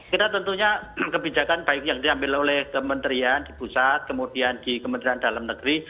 kita tentunya kebijakan baik yang diambil oleh kementerian di pusat kemudian di kementerian dalam negeri